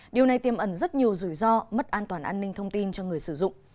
điều này tiêm ẩn rất nhiều rủi ro mất an toàn an ninh thông tin cho người sử dụng